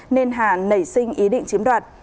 nên hà nảy sinh ý định chiếm đoạt